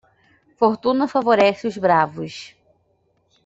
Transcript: Fortuna favorece os Bravos.